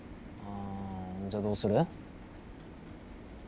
ああじゃあどうする？